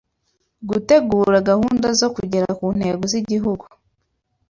Gutegura gahunda zo kugera ku ntego z'igihugu